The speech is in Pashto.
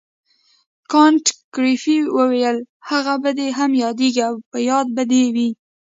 کانت ګریفي وویل هغه به دې هم یادیږي او په یاد به دې وي.